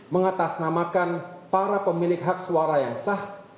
mengatasnamakan para pemilik hak suara yang sah